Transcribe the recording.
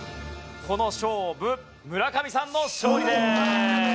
この勝負村上さんの勝利です。